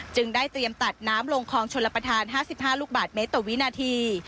ได้เตรียมตัดน้ำลงคลองชลประธาน๕๕ลูกบาทเมตรต่อวินาที